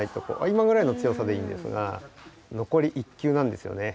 今ぐらいの強さでいいんですがのこり１球なんですよね。